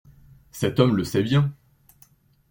Cet homme le sait bien.